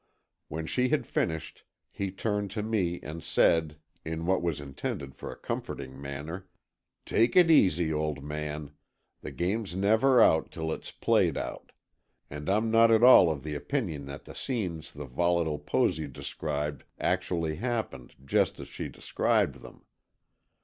When she had finished, he turned to me and said, in what was intended for a comforting manner: "Take it easy, old man. The game's never out till it's played out. I'm not at all of the opinion that the scenes the volatile Posy described actually happened just as she described them.